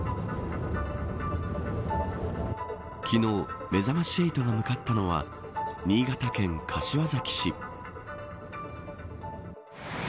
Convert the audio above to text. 昨日、めざまし８が向かったのは新潟県柏崎市。